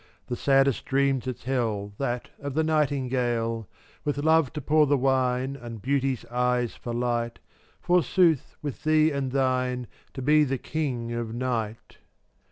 (JvC/ The saddest dream to tell That of the nightingale; With Love to pour the wine And Beauty's eyes for light — Forsooth, with thee and thine, To be the king of night.